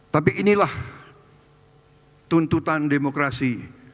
tapi inilah tuntutan demokrasi